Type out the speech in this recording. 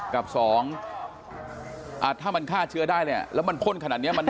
กับสองถ้ามันฆ่าเชื้อได้เนี่ยแล้วมันพ่นขนาดนี้